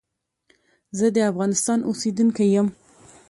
زه دافغانستان اوسیدونکی یم.